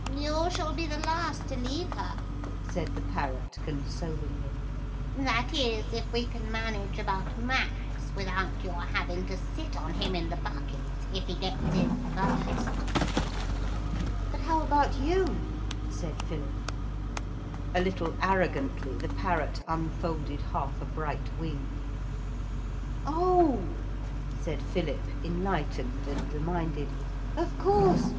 'You shall be the last to leave her,' said the parrot consolingly; 'that is if we can manage about Max without your having to sit on him in the bucket if he gets in first.' 'But how about you?' said Philip. [Illustration: The bucket began to go up.] A little arrogantly the parrot unfolded half a bright wing. 'Oh!' said Philip enlightened and reminded. 'Of course!